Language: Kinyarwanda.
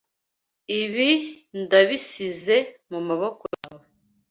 Ibi ndabisize mumaboko yawe.